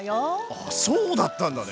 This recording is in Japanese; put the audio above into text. あっそうだったんだね！